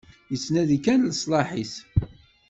Yettnadi kan leṣlaḥ-is.